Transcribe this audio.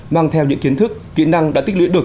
mang theo những kiến thức kỹ năng đã tích lũy được